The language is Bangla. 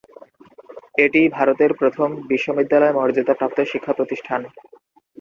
এটিই ভারতের প্রথম বিশ্ববিদ্যালয়-মর্যাদা প্রাপ্ত শিক্ষাপ্রতিষ্ঠান।